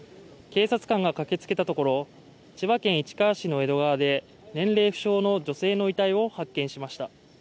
警察官が駆けつけたところ、千葉県市川市の江戸川で年齢不詳の女性の遺体を発見しました。